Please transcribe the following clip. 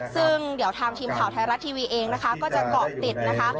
ซึ่งเดี๋ยวทางทีมข่าวไทยรัฐทีวีเองนะคะก็จะเกาะติดนะคะ